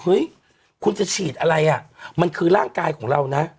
เฮ้ยคุณจะฉีดอะไรอ่ะมันคือร่างกายของเรานะ